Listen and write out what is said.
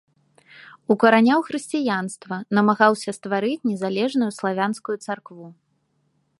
Укараняў хрысціянства, намагаўся стварыць незалежную славянскую царкву.